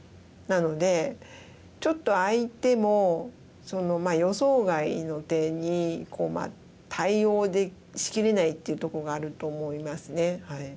なのでちょっと相手も予想外の手に対応しきれないっていうところがあると思いますね。